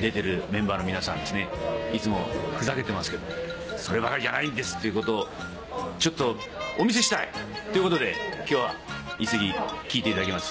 出てるメンバーの皆さんにですねいつもふざけてますけどそればかりじゃないんですっていうことをちょっとお見せしたい！ということで今日は一席聞いていただきます